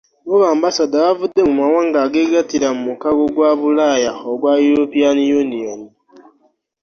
Bo b'Ambasada bavudde mu mawanga ageegattira mu mukago gwa Bulaaya ogwa European Union